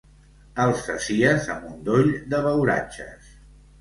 El sacies amb un doll de beuratges.